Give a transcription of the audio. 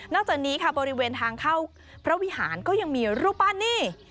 จากนี้ค่ะบริเวณทางเข้าพระวิหารก็ยังมีรูปปั้นนี่